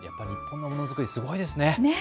ものづくり、すごいですね。